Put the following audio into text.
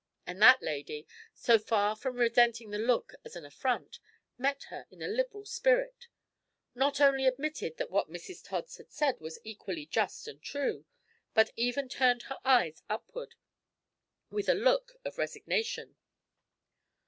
And that lady, so far from resenting the look as an affront, met her in a liberal spirit; not only admitted that what Mrs Tods had said was equally just and true, but even turned her eyes upward with a look of resignation.